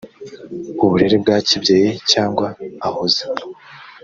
uburere bwa kibyeyi cyangwa ahoza